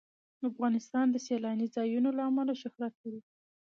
افغانستان د سیلانی ځایونه له امله شهرت لري.